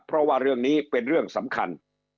เพราะว่าเรื่องนี้เป็นเรื่องสำคัญ